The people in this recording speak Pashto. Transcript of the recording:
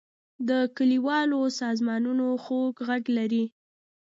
د کلیوالو سازونه خوږ غږ لري.